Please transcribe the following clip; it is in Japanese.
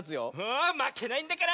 あまけないんだから！